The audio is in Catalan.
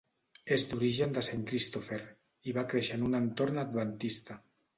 És d'origen de Saint Christopher i va créixer en un entorn adventista.